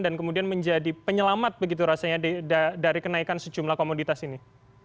dan kemudian menjadi penyelamat begitu rasanya dari kenaikan sejumlah komoditas ini